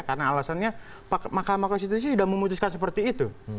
karena alasannya mahkamah konstitusi sudah memutuskan seperti itu